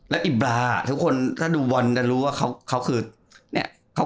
แล้วอิบราฮิโมวิชทุกคนอ่ะถ้าดูบอนก็รู้ว่านะคะ